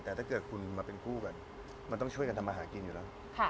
แต่ถ้าเกิดคุณมาเป็นคู่กันมันต้องช่วยกันทำมาหากินอยู่แล้ว